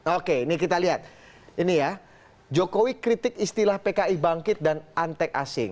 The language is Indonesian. oke ini kita lihat ini ya jokowi kritik istilah pki bangkit dan antek asing